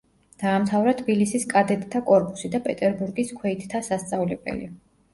დაამთავრა თბილისის კადეტთა კორპუსი და პეტერბურგის ქვეითთა სასწავლებელი.